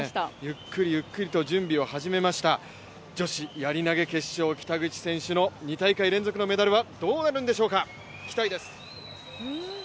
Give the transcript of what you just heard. ゆっくりゆっくりと準備を始めました、女子やり投決勝、北口選手の２大会連続のメダルはどうなるんでしょうか、期待です。